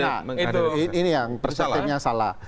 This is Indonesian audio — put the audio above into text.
nah ini yang perspektifnya salah